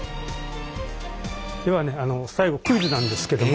ではね最後クイズなんですけども。